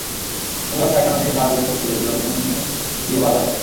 গতকাল কারখানা থেকে মাল বের করতে গেলে লোকজন নিয়ে গিয়ে বাধা দেয়।